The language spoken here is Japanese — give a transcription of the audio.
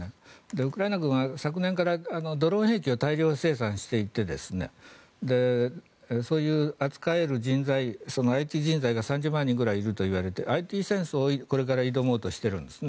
ウクライナ軍は昨年からドローン兵器を大量生産していてそういう扱える人材ＩＴ人材が３０万人ぐらいいるといわれていてＩＴ戦争をこれから挑もうとしているんですね。